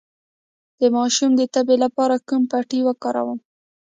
د ماشوم د تبې لپاره کومه پټۍ وکاروم؟